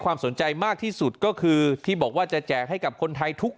สนใจมากที่สุดก็คือที่บอกว่าจะแจกให้กับคนไทยทุก